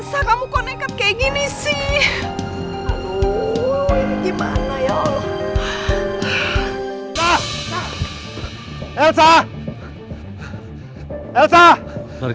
ya allah kamu konekat kayak gini sih gimana ya allah